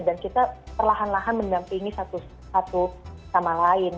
dan kita perlahan lahan mendampingi satu sama lain